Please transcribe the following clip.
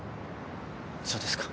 そうですか。